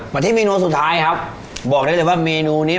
พี่โน้ทสุดท้ายครับเมนูนี้บอกได้เลยว่า